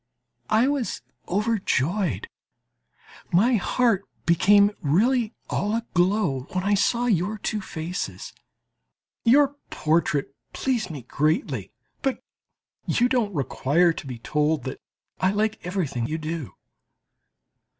I was overjoyed, my heart became really all aglow when I saw your two faces. Your portrait, as you must know, pleased me greatly. But you don't require to be told that I like everything you do.